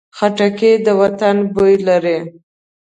خټکی د وطن بوی لري.